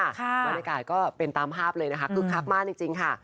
บรรยากาศก็เป็นตามภาพเลยนะคะคึกคักมากจริงค่ะ